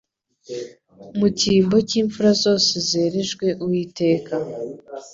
mu cyimbo cy'imfura zose zerejwe Uwiteka.